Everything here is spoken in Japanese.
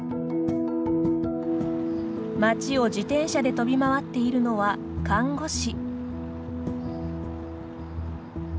町を自転車で飛び回っているのは看護師。